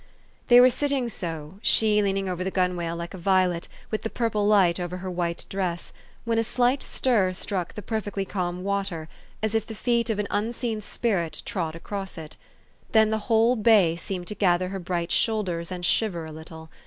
They were sitting so, she leaning over the gun wale like a violet, with the purple light across her white dress, when a slight stir struck the perfectly calm water, as if the feet of an unseen spirit trod across it. Then the whole bay seemed to gather her bright shoulders, and shiver a little.